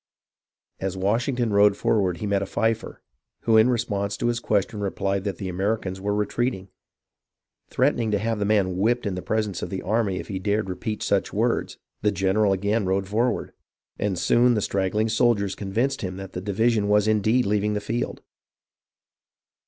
As Washington rode forward he met a fifer, who in re sponse to his question replied that the Americans were retreating. Threatening to have the man whipped in the presence of the army if he dared repeat such words, the general again rode forward, and soon the straggling soldiers convinced him that the division was indeed leaving the field.